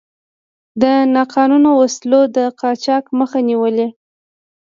د ناقانونه وسلو د قاچاق مخه نیولې.